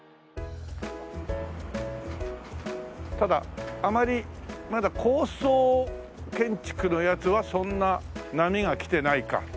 ただあまりまだ高層建築のやつはそんな波が来てないか。